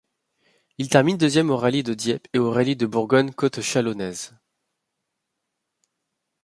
Il termine deuxième au Rallye de Dieppe et au Rallye de Bourgogne Côte Châlonnaise.